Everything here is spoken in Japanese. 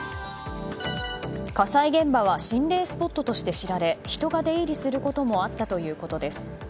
火災現場は心霊スポットとして知られ人が出入りすることもあったということです。